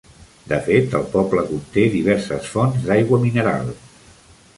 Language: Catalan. De fet, el poble conté diverses fonts d'aigua mineral.